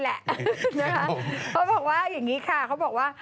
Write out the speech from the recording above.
เขาบอกว่าอย่างงี้ค่ะ